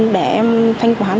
để em thanh quán